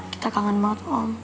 kita kangen banget om